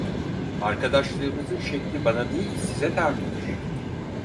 Arkadaşlığımızın şekli bana değil, size tabidir.